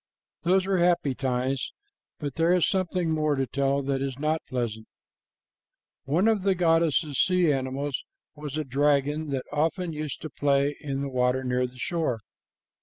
"Those were happy times, but there is something more to tell that is not pleasant. One of the goddess's sea animals was a dragon, that often used to play in the water near the shore.